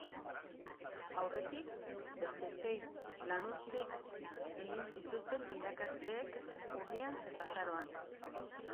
Aurretik, beste sei lanuzte egin zituzten irakasleek urrian eta azaroan.